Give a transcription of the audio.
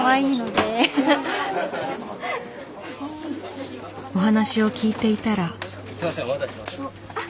お話を聞いていたら。